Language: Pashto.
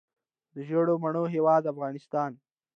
د ژیړو مڼو هیواد افغانستان.